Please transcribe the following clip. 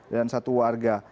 dan satu warga